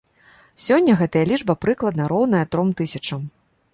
Сёння гэтая лічба прыкладна роўная тром тысячам.